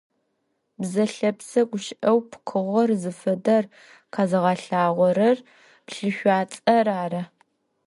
Бзэ лъэпсэ гущыӀэу пкъыгъор зыфэдэр къэзыгъэлъагъорэр плъышъуацӀэр ары.